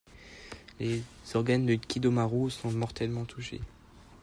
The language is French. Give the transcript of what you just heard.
Les organes de Kidômaru seront mortellement touchés.